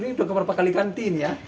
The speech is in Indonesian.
ini udah berapa kali ganti ini ya